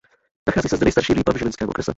Nachází se zde nejstarší lípa v Žilinském okrese.